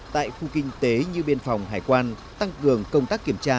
tại khu kinh tế như biên phòng hải quan tăng cường công tác kiểm tra